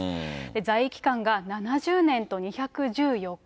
在位期間が７０年と２１４日。